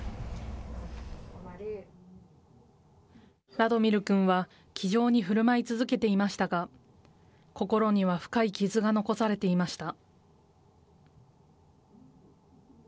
ラドミル君は、気丈にふるまい続けていましたが、心には深い傷が残されていました。